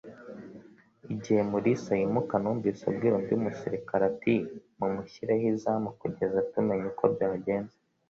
Igihe Mulisa yimuka, numvise abwira undi musirikare ati: "Mumushyireho izamu kugeza tumenye uko byagenze."